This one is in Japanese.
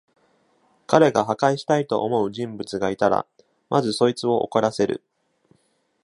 神が破壊したいと思う人物がいたら、まずそいつを怒らせる。